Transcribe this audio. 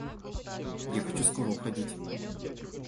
Я хочу скоро уходить.